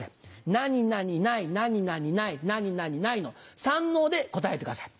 「何々ない何々ない何々ない」の三ＮＯで答えてください。